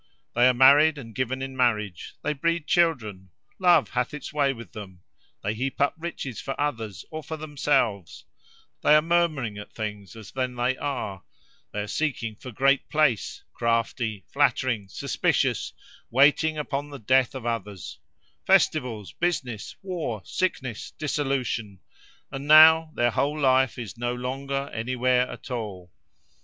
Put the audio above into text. They are married and given in marriage, they breed children; love hath its way with them; they heap up riches for others or for themselves; they are murmuring at things as then they are; they are seeking for great place; crafty, flattering, suspicious, waiting upon the death of others:—festivals, business, war, sickness, dissolution: and now their whole life is no longer anywhere at all.